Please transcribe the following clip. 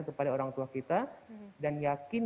kepada orang tua kita dan yakin